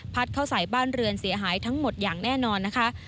เข้าใส่บ้านเรือนเสียหายทั้งหมดอย่างแน่นอนนะคะ